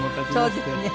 そうですね。